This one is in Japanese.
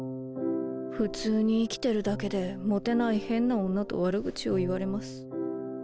普通に生きてるだけでモテない変な女と悪口を言われます。